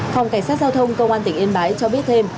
phòng cảnh sát giao thông công an tỉnh yên bái cho biết thêm